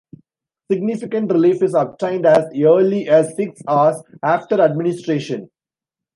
Significant relief is obtained as early as six hours after administration.